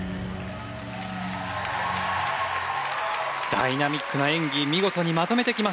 ダイナミックな演技見事にまとめてきました。